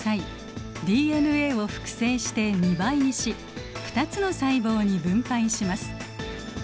ＤＮＡを複製して２倍にし２つの細胞に分配します。